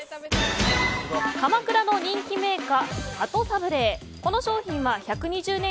鎌倉の人気銘菓、はとサブレーこの商品は１２０年